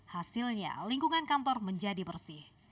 hasilnya lingkungan kantor menjadi bersih